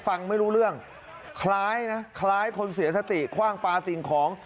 ฟังไม่รู้เรื่องคล้ายนะคล้ายคนเสียสติคว่างปลาสิ่งของ